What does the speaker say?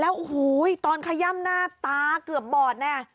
แล้วอู๋ตอนขย่ำหน้าตาเกือบบ่อดนะ